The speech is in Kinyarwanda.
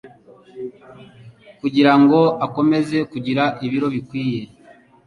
kugira ngo akomeze kugira ibiro bikwiye.